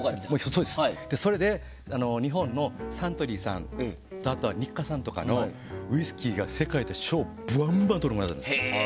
それで日本のサントリーさんとあとはニッカさんとかのウイスキーが世界で賞をバンバンとるんです。